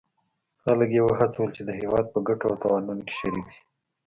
خلک یې وهڅول چې د هیواد په ګټو او تاوانونو کې شریک شي.